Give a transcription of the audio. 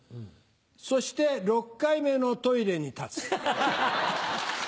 そして６回目のトイレに立つ。